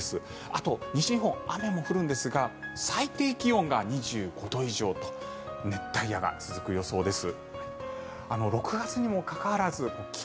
あと、西日本、雨も降るんですが最低気温が２５度以上と熱帯夜が続く予想です。